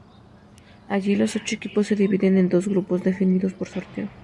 Allí los ocho equipos se dividen en dos grupos definidos por sorteo.